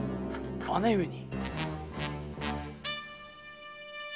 姉上に？